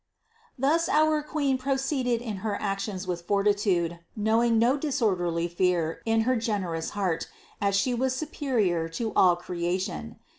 Thus our Queen proceeded in her actions with fortitude, know ing no disorderly fear in her generous heart, as She was superior to all creation.